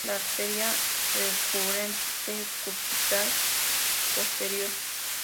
La arteria Recurrente Cubital Posterior.